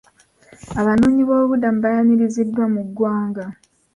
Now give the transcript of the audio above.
Abanoonyiboobubudamu baayaniriziddwa mu ggwanga.